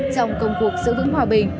trong công cuộc giữ vững hòa bình